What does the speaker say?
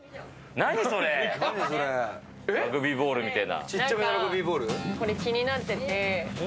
ラグビーボールみたい。